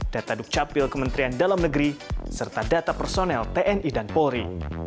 data dukcapil kementerian dalam negeri serta data personel tni dan polri